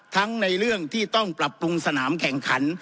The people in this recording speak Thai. ทั้งในเรื่องที่ต้องปรับปรุงสนามแข่งขัน